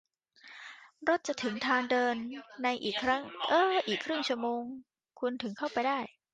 รถจะถึงทางเดินในอีกครึ่งชั่วโมง คุณถึงเข้าไปได้